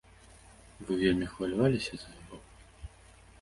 Вы вельмі хваляваліся за яго?